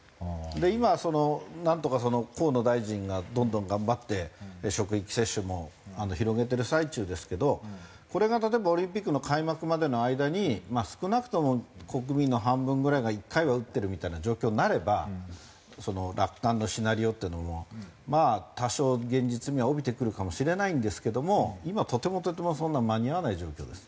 今はそのなんとか河野大臣がどんどん頑張って職域接種も広げてる最中ですけどこれが例えばオリンピックの開幕までの間に少なくとも国民の半分ぐらいが１回は打ってるみたいな状況になればその楽観のシナリオっていうのもまあ多少現実味は帯びてくるかもしれないんですけども今とてもとてもそんな間に合わない状況です。